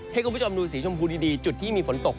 ให้คุณผู้ชมดูสีชมพูดีจุดที่มีฝนตก